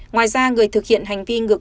ngoài ra người thực hiện hành vi ngược